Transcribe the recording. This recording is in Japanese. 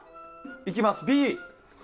いきます、Ｂ。